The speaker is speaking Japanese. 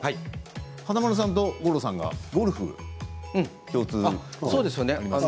華丸さんと吾郎さんがゴルフ、共通ですね。